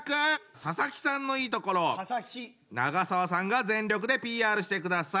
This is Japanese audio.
佐々木さんのいいところを永沢さんが全力でＰＲしてください。